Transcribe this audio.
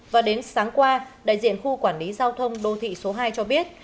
và đến sáng qua đại diện khu quản lý giao thông đô thị số hai cho biết